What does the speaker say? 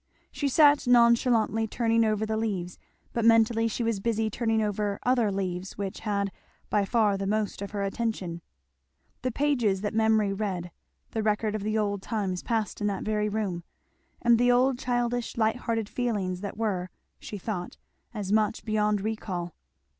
She sat nonchalantly turning over the leaves; but mentally she was busy turning over other leaves which had by far the most of her attention. The pages that memory read the record of the old times passed in that very room, and the old childish light hearted feelings that were, she thought, as much beyond recall.